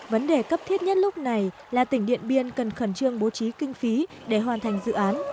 vấn đề cấp thiết nhất lúc này là tỉnh điện biên cần khẩn trương bố trí kinh phí để hoàn thành dự án